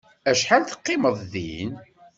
Acḥal teqqimeḍ din?